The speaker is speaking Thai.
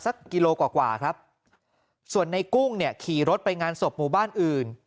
กิโลกว่ากว่าครับส่วนในกุ้งเนี่ยขี่รถไปงานศพหมู่บ้านอื่น